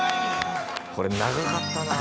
これ長かったなぁ。